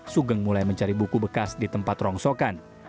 sugeng mulai mencari buku bekas di tempat rongsokan